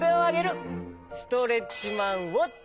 ストレッチマンウォッチ。